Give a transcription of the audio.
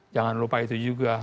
jangan lupa itu juga